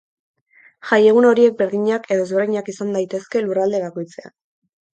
Jai egun horiek berdinak edo ezberdinak izan daitezke lurralde bakoitzean.